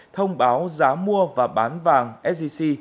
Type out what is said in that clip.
thông báo giá mua và bán vàng sgc